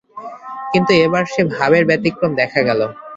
কিন্তু এবার সে ভাবের ব্যতিক্রম দেখা গেল।